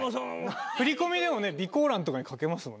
振り込みでも備考欄とかに書けますもんね半角で。